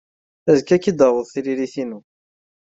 Azekka ad k-id-taweḍ tririt-inu.